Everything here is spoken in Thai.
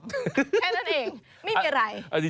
แค่นั้นเองไม่มีอะไร